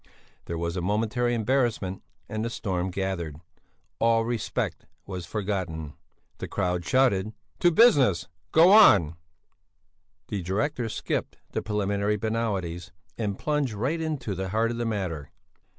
There was a momentary embarrassment and the storm gathered. All respect was forgotten. "To business! Go on!" The director skipped the preliminary banalities, and plunged right into the heart of the matter.